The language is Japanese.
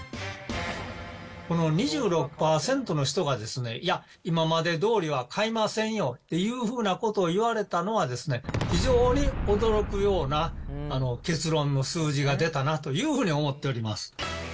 この２６％の人がですね、いや、今までどおりは買いませんよというふうなことを言われたのは、非常に驚くような結論の数字が出たなというふうに思っております。